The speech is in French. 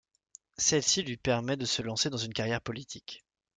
Celle-ci lui permet de se lancer dans une carrière politique.